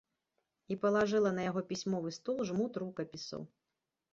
І палажыла на яго пісьмовы стол жмут рукапісаў.